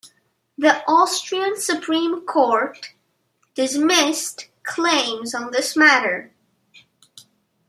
The Austrian Supreme Court dismissed claims on this matter.